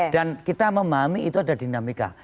dan kita memahami itu ada dinamika